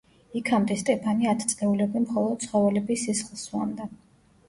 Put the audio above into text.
იქამდე სტეფანი ათწლეულები მხოლოდ ცხოველების სისხლს სვამდა.